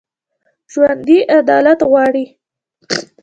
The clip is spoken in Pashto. ژوندي عدالت غواړي